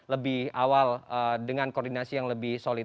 lebih awal dengan koordinasi yang lebih solid